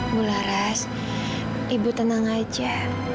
bu laras ibu tenang aja